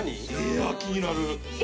いや気になる！